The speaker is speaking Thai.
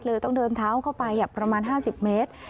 เลยต้องเดินเท้าเข้าไปอย่างประมาณ๕๐เมตร